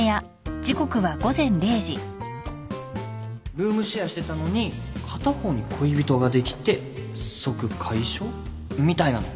ルームシェアしてたのに片方に恋人ができて即解消みたいなの